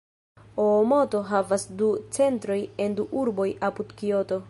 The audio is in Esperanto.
Oomoto havas du centrojn en du urboj apud Kioto.